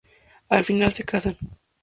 Al final se casan.